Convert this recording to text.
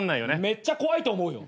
めっちゃ怖いと思うよ。